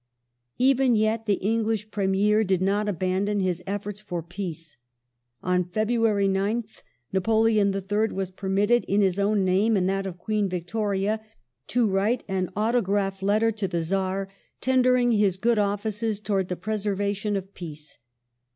Even yet, the English Premier did not abandon his efforts for peace. On February 9th Napoleon III. was permitted, in his own name and that of Queen Victoria, to write an autograph letter to the Czar tendering his good offices towards the preservation of peace.